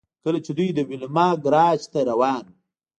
کله چې دوی د ویلما ګراج ته روان وو